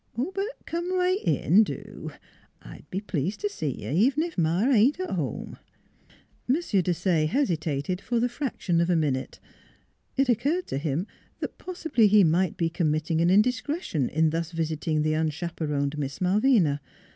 ... But come right in, do ! I'd b' pleased t' see you, even ef Ma ain't t' home." M. Desaye hesitated for the fraction of a min ute. It occurred to him that possibly he might be committing an indiscretion in thus visiting the unchaperoned Miss Malvina.